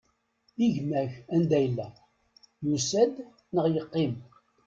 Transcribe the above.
I gma-k, anda i yella? Yusa-d neɣ yeqqim?